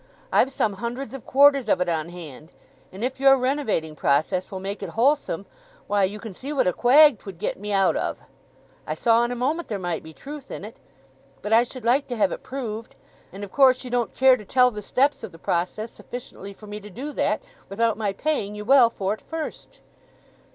I've some hundreds of quarters of it on hand; and if your renovating process will make it wholesome, why, you can see what a quag 'twould get me out of. I saw in a moment there might be truth in it. But I should like to have it proved; and of course you don't care to tell the steps of the process sufficiently for me to do that, without my paying ye well for't first."